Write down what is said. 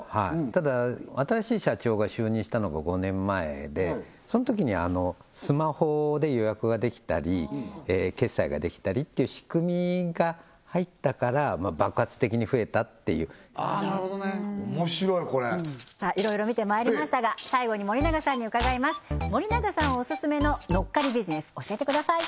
ただ新しい社長が就任したのが５年前でそのときにスマホで予約ができたり決済ができたりっていう仕組みが入ったから爆発的に増えたっていうなるほどねおもしろいこれさあいろいろ見てまいりましたが最後に森永さんに伺います教えてください